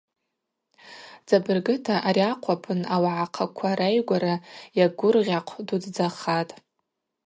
Цӏабыргыта, ари ахъвлапын ауагӏахъаква райгвара йагвыргъьахъв дудздзахатӏ.